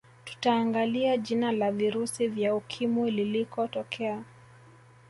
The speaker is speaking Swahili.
tutaangalia jina la virusi vya ukimwi liliko tokea